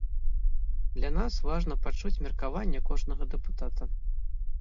Для нас важна пачуць меркаванне кожнага дэпутата.